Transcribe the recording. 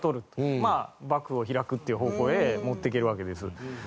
まあ幕府を開くっていう方向へ持っていけるわけです。